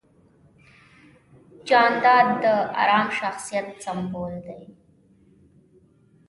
جانداد د ارام شخصیت سمبول دی.